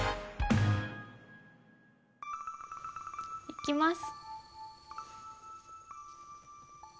いきます。